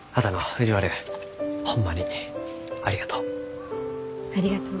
藤丸ホンマにありがとう。